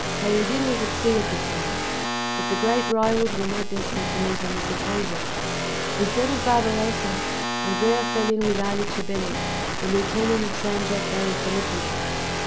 Kheyr ed Din was at sea at the time, but the great rivals were not destined to meet on this occasion. Instead of Barbarossa, Andrea fell in with Ali Chabelli, the lieutenant of Sandjak Bey of Gallipoli.